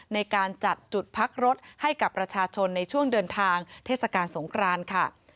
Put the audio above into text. ในการจัดจุดพักรถให้กับประชาชนในช่วงเดินทางเทศกาลสงครานค่ะ